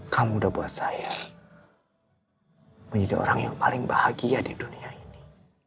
kau muda buat saya menjadi orang yang paling bahagia di dunia ini